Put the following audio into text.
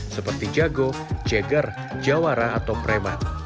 seperti jago ceger jawara atau preman